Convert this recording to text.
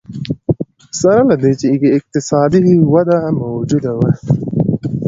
سره له دې چې اقتصادي وده موجوده وه.